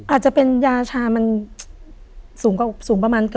อาจจะเป็นยาชามันสูงประมาณ